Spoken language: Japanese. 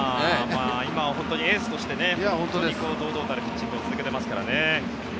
今はエースとして堂々たるピッチングを続けてますからね。